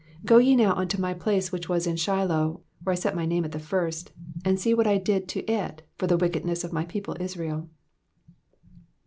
Go ye now unto my place which was in Shiloh, where I set my name at the first, and see what I did to it for the wickedness of my people Israel.